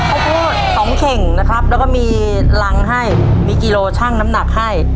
ข้าวโพดสองเข่งนะครับแล้วก็มีรังให้มีกิโลชั่งน้ำหนักให้